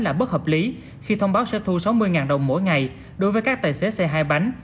là bất hợp lý khi thông báo sẽ thu sáu mươi đồng mỗi ngày đối với các tài xế xe hai bánh